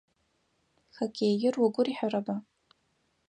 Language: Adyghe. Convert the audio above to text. Хоккеир угу рихьырэба?